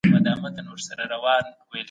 د واده تجهيزات ئې په وسه نه وي.